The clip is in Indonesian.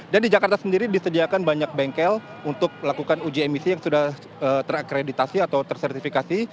dan di jakarta sendiri disediakan banyak bengkel untuk lakukan uji emisi yang sudah terakreditasi atau tersertifikasi